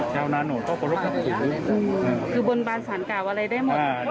ชาวนานโหนดก็ประลักษณะสูงอืมคือบนบานสารกาวอะไรได้หมด